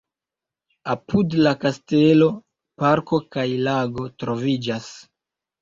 Apud la kastelo parko kaj lago troviĝas.